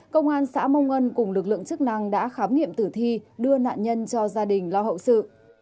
công an xã mong ngân cùng lực lượng chức năng đã khám nghiệm tử thi đưa nạn nhân cho gia đình lo hậu sự